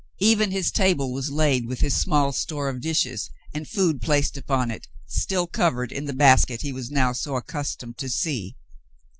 Even his table was laid with his small store of dishes, and food placed upon it, still covered in the basket he was now so accustomed to see.